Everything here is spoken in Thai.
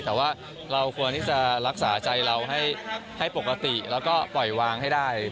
แต่ว่าเราควรที่จะรักษาใจเราให้ปกติแล้วก็ปล่อยวางให้ได้